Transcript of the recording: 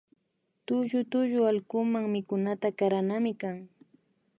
Tullu tullu allkumanka mikunata karanami kan